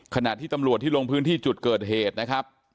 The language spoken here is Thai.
ขณะที่ตำรวจที่ลงพื้นที่จุดเกิดเหตุนะครับ